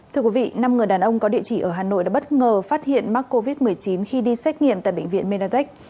thưa quý vị năm người đàn ông có địa chỉ ở hà nội đã bất ngờ phát hiện mắc covid một mươi chín khi đi xét nghiệm tại bệnh viện mednatech